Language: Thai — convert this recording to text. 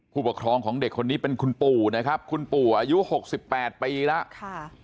ผู้ปกครองของเด็กคนนี้เป็นคุณปู่นะครับคุณปู่อายุ๖๘ปีแล้ว